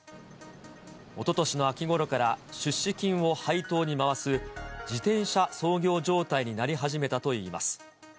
おととしの秋ごろから出資金を配当に回す自転車操業状態になり始めたといいます。